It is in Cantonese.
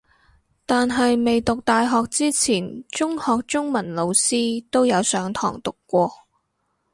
但係未讀大學之前中學中文老師都有上堂讀過